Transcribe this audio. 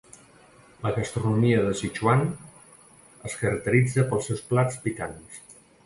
La gastronomia de Sichuan es caracteritza pels seus plats picants.